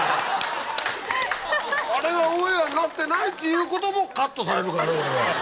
あれがオンエアになってないっていうこともカットされるからね俺は。